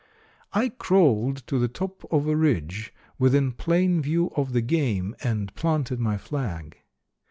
"I crawled to the top of a ridge within plain view of the game, and planted my flag.